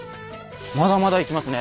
まだまだいきますね。